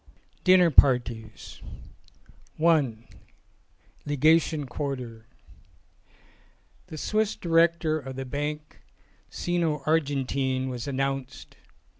26 VI DINNER PARTIES i: LEGATION QUARTER THE Swiss director of the Banque Sino Argentine was announced.